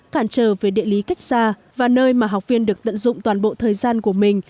cản trở về địa lý cách xa và nơi mà học viên được tận dụng toàn bộ thời gian của mình